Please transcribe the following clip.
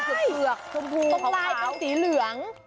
ชมพูของเขามุมไลน์เป็นสีเหลือง